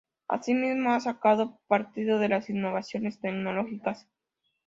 Así mismo, ha sacado partido de las innovaciones tecnológicas.